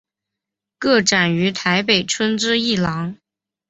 个展于台北春之艺廊。